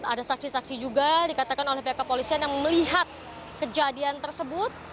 ada saksi saksi juga dikatakan oleh pihak kepolisian yang melihat kejadian tersebut